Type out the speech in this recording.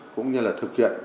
cũng như là thực hiện